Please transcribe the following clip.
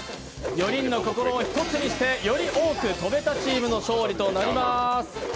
４人の心を一つにしてより多く跳べたチームの勝利となります。